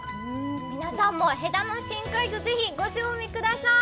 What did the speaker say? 皆さんも戸田の深海魚ぜひご賞味ください。